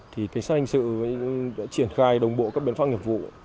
thì cảnh sát hình sự đã triển khai đồng bộ các biện pháp nghiệp vụ